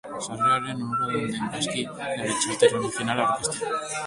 Sarreraren onuradun den bazkidearen txartel originala aurkeztea.